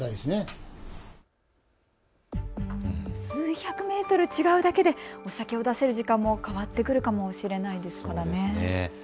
数百メートル違うだけでお酒を出せる時間も変わってくるかもしれないですね。